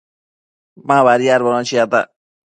Ma badiadbono chiata